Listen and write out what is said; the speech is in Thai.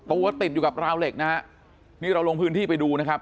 ตัวติดอยู่กับราวเหล็กนะฮะนี่เราลงพื้นที่ไปดูนะครับ